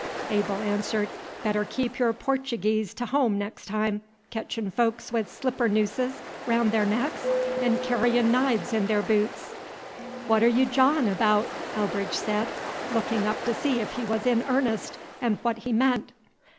Abel answered. "Better keep your Portagees t' home nex' time, ketchin' folks 'ith slippernooses raoun' their necks, 'n' kerryin' knives 'n their boots!" "What 'r' you jawin' abaout?" Elbridge said, looking up to see if he was in earnest, and what he meant.